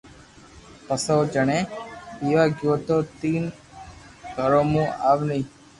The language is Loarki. پسي او جڻي پينوا گيو تو تين گھرو مون اوني